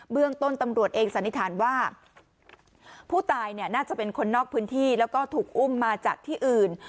เรื่องต้นตำรวจเองสันนิษฐานว่าผู้ตายเนี่ยน่าจะเป็นคนนอกพื้นที่แล้วก็ถูกอุ้มมาจากที่อื่น